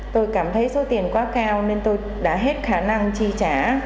tôi cảm thấy số tiền quá cao nên tôi đã hết khả năng chi trả